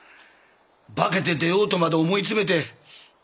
化けて出ようとまで思い詰めて。